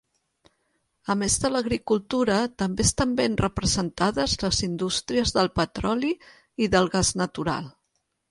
A més de l'agricultura, també estan ben representades les indústries del petroli i del gas natural.